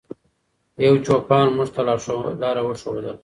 یو چوپان موږ ته لاره وښودله.